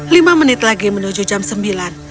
lima menit lagi menuju jam sembilan